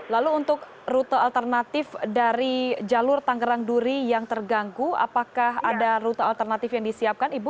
lalu untuk rute alternatif dari jalur tanggerang duri yang terganggu apakah ada rute alternatif yang disiapkan ibu